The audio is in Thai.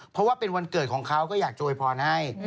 เพราะว่าเป็นวันเกิดของเขาก็อยากโวยพรให้